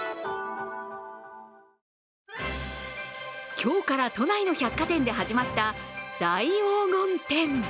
今日から都内の百貨店で始まった、大黄金展。